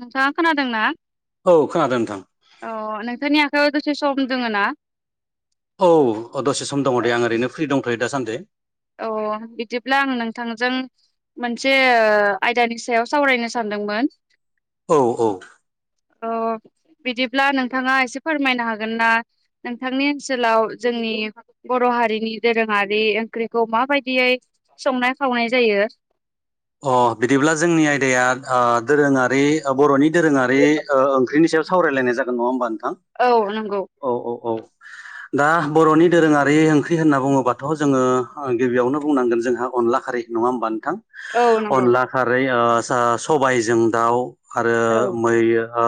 नोंथाङा खोनादोंना औ खोनादों नोंथां औ नोंथांनि आ हो दसे सम दोङो ना। औ दसे सम दङ दे आं ओरैनो फ्रि दंथयो दासान्दि। औ बिदिब्ला आं नोंथांजों मोनसे ओ आयदानि सायाव सावरायनो सानदोंमोन। औ औ। अ बिदिब्ला नोंथाङा एसे फोरमायनो हागोन ना नोंथांनि ओनसोलाव जों नि बर' हारिनि दोरोङारि ख्रिखौ माबायदियै संनाय खावनाय जायो। अ बिदिब्ला जोंनि आयदाया ओ दोरोङारि बर'नि दोरोङारि ओ ओंख्रिनि सा सावरायलायनाय जागोन नङा होमबा नोंथां औ नंगौ औ औ औ। [inaudible] दा बर'नि दोरोङारि ओंख्रि होनना बुङोबाथ जोङो आं गिबियावनो बुंनांगोन जोंहा अनला खारै। नङा होमबा नोंथां। औ नंगौ अनला खारै ओ स सबायजों दाउ आरो औ मै ओ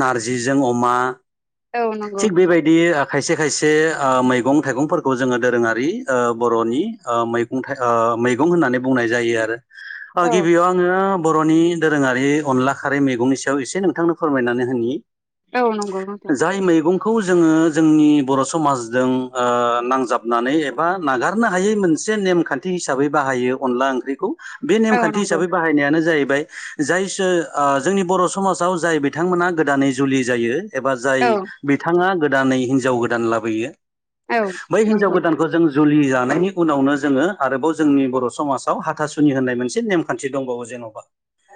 नारजिजों अमा। औ नंगौ थिग नोंथां। बेबायदि ओ खायसे खायसे ओ मैगं थाइगंफोरखौ जोङो दोरोङारि ओ बर'नि ओ मैगं था ओ मैगं होननानै बुंनाय जायो आरो ओ औ गिबियाव आङो बर'नि दोरोङारि अनला खारै मैगंनि सायाव एसे नोंथांनो फोरमायनानै होनि औ नंगौ। नोंथां जाय मैगं खौ जोङो जोंनि बर' समाजजों ओ नांजाबनानै एबा नागारनो हायै मोन मोनसे नेमखान्थि हिसाबै बाहायो अनला ओंख्रिखौ बे औ नेमखान्थि नंगौ हिसाबै बाहायनायानो जाहैबाय बाय जाय सो ओ जोंनि बर' समाजाव जाय बिथांमोना गोदानै जुलि जायो एबा जाय औ बिथाङा गोदानै हिनजाव गोदान लाबोयो औ बै हिनजाव नंगौ गोदानखौ जों जुलि जानायनि उनावनो जोङो आरोबाव जोंनि बर' समाजाव हाथासुनि होननाय मोनसे नेमखान्थि दंबावो जेन'बा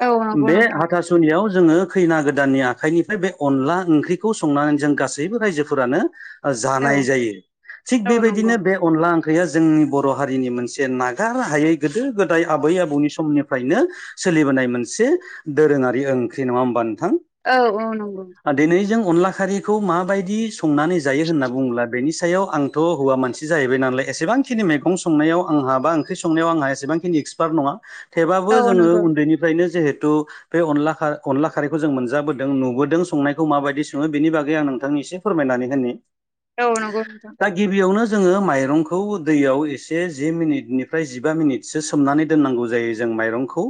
औ नंगौ बे नोंथां हाथासुनियाव जोङो खैना गोदाननि आखाइनिफ्राय बे अनला ओंख्रिखौ संनानै जों गासैबो रायजोफोरानो औ जानाय जायो थिग औ नंगौ बेबायदिनो बे अनला गैया जोंनि बर' हारिनि मोनसे नागार हायै गोदो गोदाय आबै आबौनि समनि फ्रायनो सोलिबोनाय मोनसे दोरोङारि ओंख्रि नङा होमबा। नोंथां औ औ नंगौ। दिनै जों अनला खारिखौ माबायदि संनानै जायो होनना बुङोब्ला बेनि सायाव आंथ' हौवा मानसि जाहैबाय नालाय। एसेबांखिनि मैगं संनायाव आंहा बा ओंख्रि संनायाव आंहा एसेबांखिनि एक्सपार्ट नङा। थेबाबो औ जोङो नंगौ उन्दैनिफ्रायनो जोहेत थु बे अनला खा खारिखौ जों मोनजाबोदों नुबोदों संनायखौ माबायदि सङो बेनि बागै आं नोंथांनि एसे फोरमायनानै होननि औ नगौ नोंथां जोङो माइरंखौ दैयाव एसे जि मिनिटनिफ्राय जिबा मिनिटसो सोमनानै दोननांगौ जायो जों माइरंखौ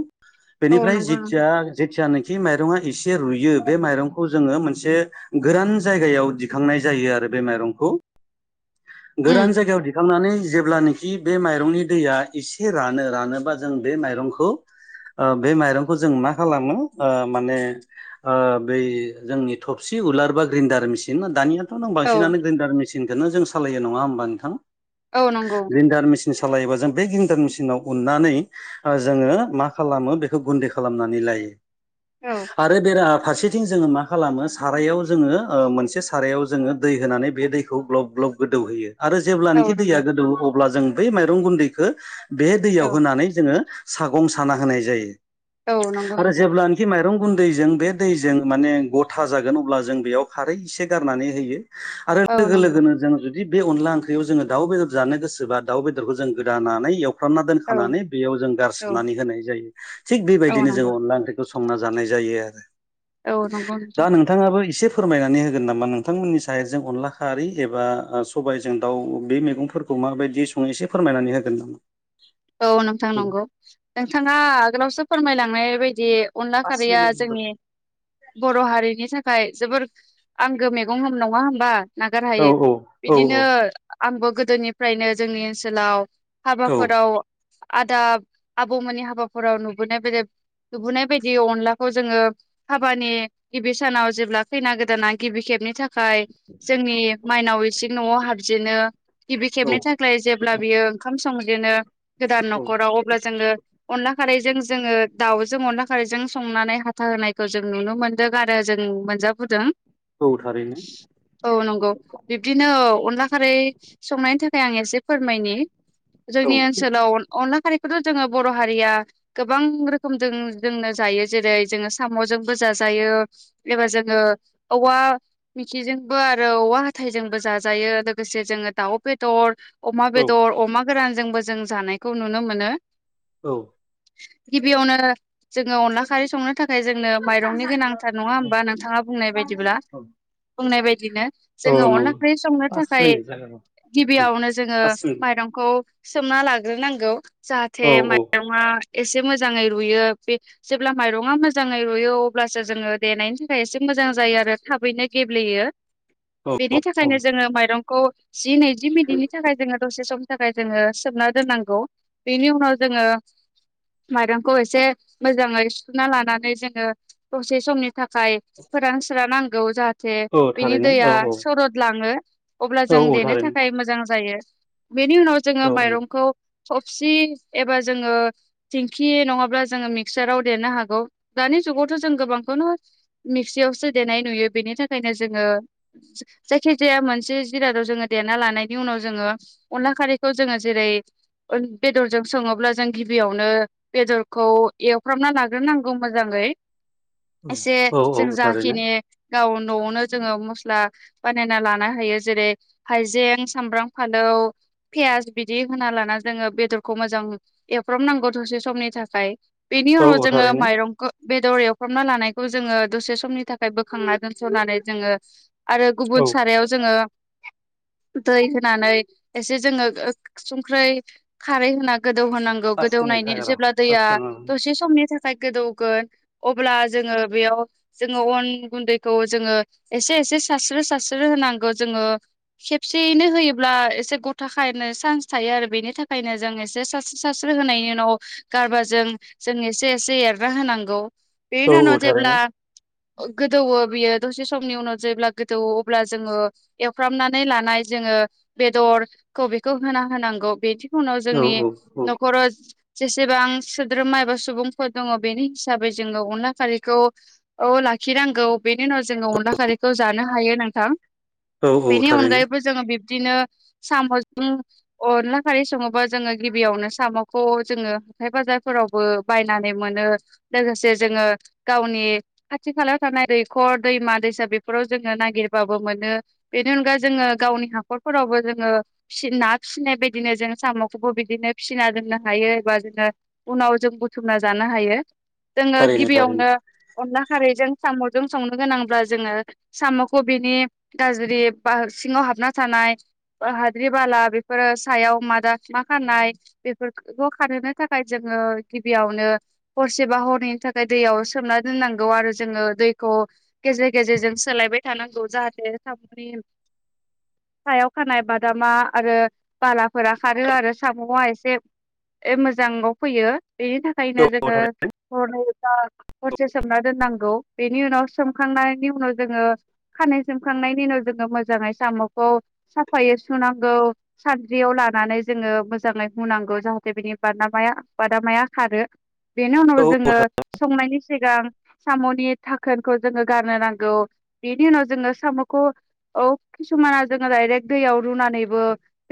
औ बेनिफ्राय नंगौ नोंथां जेतियानिखि माइरंआ एसे रुयो बे माइरंखौ जोङो मोनसे गोरान जायगायाव दिखांनाय जायो आरो बे माइरंखौ उम गोरान जायगायाव दिखांनानै जेब्लानोखि बे माइरंनि दैया एसे रानो रानोबा जों बे माइरंखौ ओ बे माइरंखौ जों मा खालामो ओ माने ओ बै जोंनि थ थबसि उलार बा ग्रिन्दडार मेसिन दानियाथ' नों औ बांसिनानो ग्रिन्दार मेसिनखौनो जों सालायो नङा होमबा नोंथां औ नंगौ मेन सालायोबा जों बे ग्रिनदार मेसिनाव उन्नानै जोङो मा खालामो बेखौ गुन्दै खालामनानै लायो औ आरो बेरा फारसेथिं जोङो मा खालामो सारायाव जोङो ओ मोनसे सारायाव जोङो दै होनानै बे दैखौ ग्लब ग्लब गोदौहोयो आरो औ जेब्लानोखि दैया नंगौ गोदौवो अब्ला जों बै माइरं गुन्दैखौ बे औ दैयाव होनानै जोङो सागं साना होनाय जायो औ नंगौ आरो नोंथां जेब्लानोखि माइरं गुन दैजों बे दैजों माने गथा जागोन अब्ला जों बेयाव खारै एसे गारनानै होयो आरो औ लोगो नंगौ लोगोनो जों जु दि बे अनला ओंख्रियाव जोङो दाउ बेदर जानो गोसोबा दाउ बेदरखौ जों गोदानानै एव फ्रामना औ दोनखानानै बेयाव जों औ गारसोबनानै होनाय जायो थिग औ बेबायदिनो नंगौ जोङो अनला ओंख्रिखौ संना जानाय जायो जायो आरो औ नंगौ दा नोंथाङाबो एसे फोरमायनानै होगोन नामा नोंथांमोननि साइतजों अनला खारै एबा ओ सबायजों दाउ बे मैगंफोरखौ माबायदि सङो एसे फोरमायनानै होगोन नामा औ नोंथां नंगौ नोंथाङा आगोलावसो फोरमायलांनाय बायदि अनला पास खारैया मिनिट जोंनि औ बर हारिनि थाखाय जोबोर आंगो मैगं नङा होमबा औ नागारहायै औ बिदिनो आंबो गोदोनिफ्रायनो जोंनि ओनसोलाव औ हाबाफोराव आदा आब'मोननि हाबाफोराव नुबोनाय बेदे नुबोनाय बायदि अनलाखौ जोङो हाबानि गिबि सानाव जेब्ला खैना गोदाना गिबि खेब नि थाखाय जोंनि माइनाव इसिं न'आव हाबजेनो गिबि खेबनि थाखाय जेब्ला बियो ओंखाम संजेनो गोदान औ न'खराव अब्ला जोङो अनला खारैजों जोङो दाउजों अनला खारैजों संनानै हाथा होनायखौ जों नुनो मोनदों आरो जों मोनजाबोदों औ थारैनो औ नंगौ बिब्दिनो औ अनला खारै संनायनि थाखाय आं एसे फोरमायनि औ जोंनि ओनसोलाव अनला खारै खौथ' जोङो बर' हारिया गोबां रोखोमजों जोंनो जायो जेरै जोङो साम'जोंबो जाजा -जायो एबा जोङो औवा मिखिजोंबो आरो औवा हाथायजोंबो जाजायो। -यो लोगो -लोगोसे जोङो दाउ बेदर अमा बेदर अमा गोरानजोंबो जों जानायखौ नुनो मोनो। औ। गिबियावनो जोङो अनला खारै संनो थाखाय जोंनो माइरंनि गोनांथार नङा होमबा नोंथाङा बुंनाय बायदिब्ला बुंनाय बायदिनो औ जोङो अनला नंगौ ओंख्रि संनो पास थाखाय मिनिट जागोन गिबियावनो जोङो पास मिनिट माइरंखौ सोमना लाग्रोनांगौ जाहाथे औ औ माइरंआ एसे मोजाङै रुयो बे जेब्ला माइरङा मोजाङै रुयो अब्लासो जोङो देनायनि थाखाय एसे मोजां मोजां जायो आरो थाबैनो गेब्लेयो। औ बेनि थाखायनो औ जोङो माइरंखौ जि नैजि मिनिटनि थाखाय जोङो दसे समनि थाखाय जोङो सोबना दोननांगौ बेनि उनाव जोङो माइरंखौ एसे मोजाङै सुथुना लानानै जोङो दसे समनि थाखाय फोरान स्रा नांगौ जाहाथे औ बिनि थारैनो दैया औ औ सरद लाङो। अब्ला जों औ औ देनो थारैनो थाखाय मोजां जायो बेनि उनाव जोङो औ माइरंखौ थबसि एबा जोङो थिंखि नङाब्ला जोङो मिक्साराव देरनो हागौ दानि जुगावथ' जों गोबांखौनो मिक्सियावसो देनाय नुयो बेनि थाखायनो जोङो जायखि जाया मोनसे जिरादाव जोङो देरना लानायनि उनाव जोङो अनला खारैखौ जोंड़ो जेरै बेदरजों सोङोब्ला जों गिबियावनो बेदरखौ एवफ्रामनानै लाग्रोनांगौ मोजाङै एसे औ जों औ थारैनो जाखिनि गाव न'आवनो जोङो मस्ला बानायना लानो हायो जेरै हाइजें सामब्राम फालो औ फियास बिदि होना लाना जोङो बेदरखौ मोजां एवफ्रबनांगौ दसे समनि थाखाय। बेनि औ उनाव औ जोङो थारैनो माइरंखौ बेदर एवफ्रामना लानायखौ जोङो दसे समनि थाखाय बोखांना दोनस'नानै जोङो आरो गुबुन औ सारायाव जोङो दै होनानै एसे जोङो संख्रै खारै होना गोदौ होनांगौ पास मिनिट गोदौनायनि जागोन जेब्ला दैया र' दसे समनि थाखाय फाय गोदौगोन अब्ला जोङो बेयाव जोङो अन गुन्दैखौ जोङो एसे एसे सारस्रि -सारस्रि होनांगौ जोङो खेबसेयैनो होयोब्ला एसे गथ खायनो सान्स थायो आरो बेनि थाखायनो जों एसे सास्रि- सास्रि होनायनि उनाव गारब जों -जों एसे -एसे देरना होनांगौ बेनि औ उनाव औ थारैनो जेब्ला गोदौवो बियो दसे समनि उनाव जेब्ला गोदौवो अब्ला जोङो एवफ्रामनानै लानाय जोङो ओ बेदरखौ बेखौ होना होनांगौ बेनि उनाव औ जोंनि न'खराव जेसेबां सोद्रोमा एबा सुबुंफोर दङ बेनि हिसाबै जोङो अनला फारिखौ औ ला -खिनांगौ बेनि उनाव जोङो अनला खारैखौ जानो हायो नोंथां। औ औ बेनि थारैनो अनगायैबो जोङो बिब्दिनो साम'जों अनला खारै सङोबा जोङो गिबियावनो साम'खौ जोङो हखाइ बाजारफोरावबो बायनानै मोनो। लोगोसे जोङो गावनि खाथि खालायाव थानाय दैखर दैमा- दैसा बेफोराव जों नागिरबाबो मोनो बेनि अना जोङो गावनि हाखरफोराव जोङो फिसि-ना फिसिनाय बायदिनो जों साम'खौबो बिदिनो फिसिना दोननो हायो एबा जोङो उनाव जों बुथुमना जानो हायो जोङो थारैनो गिबियावनो थारैनो अनला खारैजों साम'जों संनो गोनांब्ला जोङो साम'खौ बिनि गाज्रि बा सिङाव हाबना थानाय हाद्रि बाला बे -फोर सायाव मादा मा खारनाय बेफोरखौ खानहोनो थाखाय जोङो गिबियावनो हरसेबा हरनैनि थाखाय दैयाव सोमना दोननांगौ आरो जोङो दैखौ गेजेर -गेजेरजों सोलायबाय थानांगौ जाहाथे साम'नि सायाव खानाय बादामा आरो बालाफोरा खारो आरो सामुआ एसे मोजाङाव फैयो बेनि थाखायनो औ औ जोङो थारैनो हर हरसे सोमना दोननांगौ बेनि उनाव सोमखांनायनि उनाव जोङो खानै सोमखां थांनायनि उनाव जोङो मोजाङै साम'खौ साफायै सुनांगौ सानद्रियाव लानानै जोङो मोजाङै हुनांगौ जाहाथे बिनि बादामाया बादामाया खारो बेनि उनाव औ जोङो संनायनि सिगां साम'नि थाखोनखौ जोङो गारनो नांगौ बेनि उनाव जोङो साम'खौ औ किसुमाना जोङो डाइरेक्ट दैयाव रुनानैबो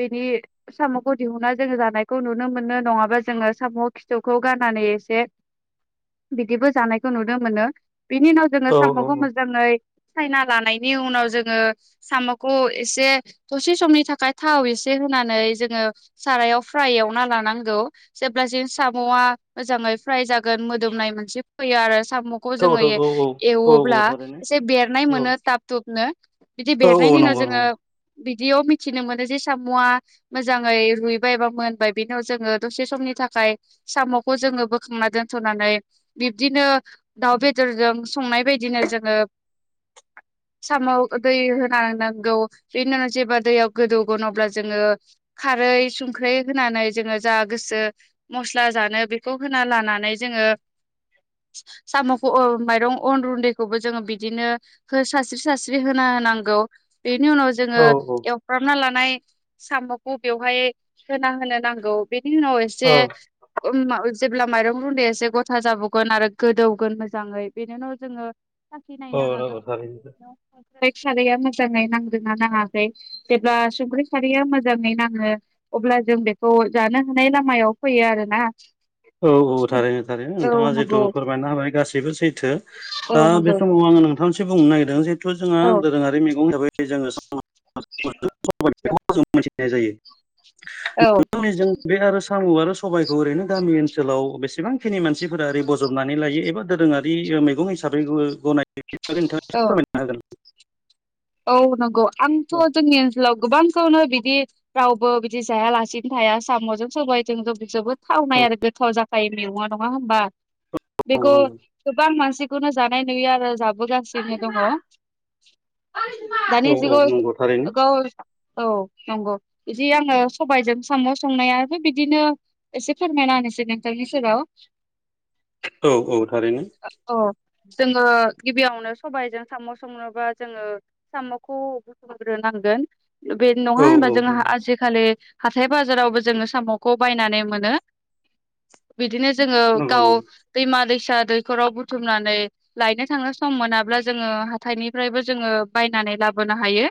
बेनि साम'खौ दिहुनना जोङो जानायखौ नुनो मोनो नङाबा जोङो साम' खिथुखौ गाननानै एसे बिदिबो जानायखौ नुदों मोनो बिनि उनाव जोङो औ साम'खौ औ मोजाङै सायना लानायनि उनाव जोङो साम'खौ एसे दसे समनि थाखाय थाव एसे से होनानै जोङो सारायाव फ्राय एवना लानांगौ, जेब्ला जों साम'आ मोजां फ्राय जागोन मोदोमनाय मोनसे फैयो आरो साम'खौ जोङो औ औ एवोब्ला औ थारैनो एसे बेरनाय औ मोनो ताब थुुबनो बिदि औ बेनाय नंगौ औ नंगौ बिदियाव मिथिनो मोनो जे साम'आ मोजाङै रुइबाय बा मोनबाय बे उनाव जोङो दसे समनि थाखाय साम'खौ जों जोङो बोखांना दोनथ'नानै बिब्दिनो दाउ बेदरजों संनाय बायदिनो जोङो सामाव दै होना नांगौ बेनि उनाव जेब्ला दैयाव गोदौ अ जोङो खारै संख्रै होनानै जोङो जा गोसो मसला बेखौ होना लानानै जोङो साम'खौ माइरं अन रुन्दैखौबो जोङो बिदिनो हो सास्रि सास्रि सि्रि होना होनांगौ बेनि उनाव जोङो औ औ एवफ्रामना ल नाय साम'खौ बेवहाय होना होनो नांगौ। बिनि उनाव एसे औ जेब्ला माइरं रुन्दै एसे गथा जाबावगोन आरो गोदौगोन मोजाङै बेनि उनाव जोङो औ सखिनायना हागोन। थारैनो फसालिया मोजाङै नांग्रोना नाङासै जेब्ला संख्रि सारिया मोजाङै नाङो अब्ला जों बेखौ जानो हानाय लामायाव फैयो आरोना। औ औ थारैनो थारै औ नोंथाङा जितु नंगौ फोरमायनो हाबाय गासैबो सैथो औ दा बे नंगौ समाव आं। नोंथां मोनसे बुंनो नागिरदों जिहेथु जोंहा औ दोरोङारि मगं हिसाबै जोङो जों मोनथिनाय जायो। औ नोंनिजों बे आरो साम' आरो सबबायखौ ओरैनो गामि ओनसोल ओनसोलाव बेसेबांखिनि मानसिफोरा ओरै बजबनानै लायो एबा दोरोङारि मैगं हिसाबै गनायो। औ नो हागोन औ नंगौ आंथ' जोंनि ओनसोलाव। गोबांखौनो बिदि रावबो बिदि जायालासिनो थाया साम'जों सबायजों ज जोबोद थावनाय। आरो गोथाव जाखायो मेगङा नङा होनोमबा। बेखौ होगोन गोबां मानसिखौनो जानाय नुयार जाबाय बजासिनो दङ। औ दधानिश औ गौ नंगौ थारैनो ग औ नंगौ बिदि आङो सबायजों साम' संनाया बिदिनो एसे फोरमायना होनसै नों [inaudible] औ औ थारैनो। जोङो गिबियावनो सबायजों साम' साम' बा जोङो साम'खौ बुथुमग्रोनांगोन बे नङा औ होनबा औ जोंहा आजिखालि। हाथाय बाजारावबो जोङो साम'खौ बायनानै मोनो बिदिनो जोङो नंगौ गाव नंगौ दैमा दै फिसा दैखराव बुथुमनानै लायनो थांनो सम मोनाब्ला जोङो हाथायनि ओमफ्रायबो जोङो बायनानै लाबोनो हायो।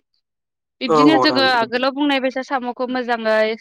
बिब्दिनो औ जोङो थारैनो आगोलाव बुंनाय बायसा साम'खौ मोजाङै